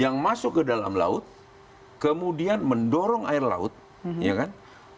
yang masuk ke dalam laut kemudian mendorong air laut ya kan